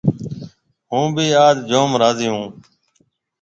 هُون ڀِي آج جوم راضِي هون۔